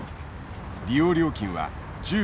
利用料金は１５分